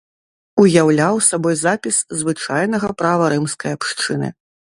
Уяўляў сабой запіс звычайнага права рымскай абшчыны.